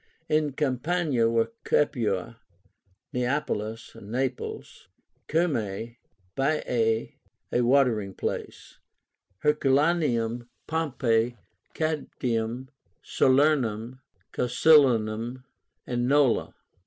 In Campania were Capua, Neapolis (Naples), Cumae, Baiae, a watering place, Herculaneum, Pompeii, Caudium, Salernum, Casilínum, and Nola.